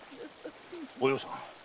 お葉さん。